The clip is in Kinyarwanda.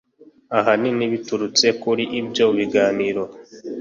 ahanini biturutse kuri ibyo biganiro